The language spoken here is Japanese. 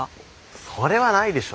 それはないでしょ。